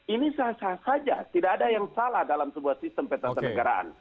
ini sah sah saja tidak ada yang salah dalam sebuah sistem petasan negaraan